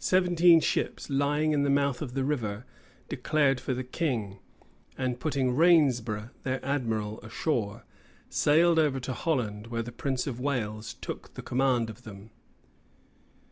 Seventeen ships, lying in the mouth of the river, declared for the king; and putting Rainsborow, their admiral, ashore, sailed over to Holland, where the prince of Wales took the command of them.